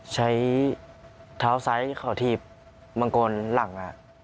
ใช้เท้าซ้ายเขาถีบมังกรหลัง